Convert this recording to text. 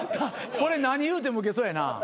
これ何言うてもウケそうやな。